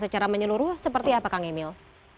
secara menyeluruh seperti apa kang emil